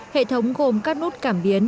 hệ thống gồm các nút cảm biến